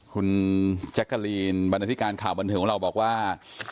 คุณแจ๊กกะลีนบรรณาธิการข่าวบันเทิงของเราบอกว่า